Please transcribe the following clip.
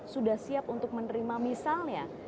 sudah siap untuk menerima misalnya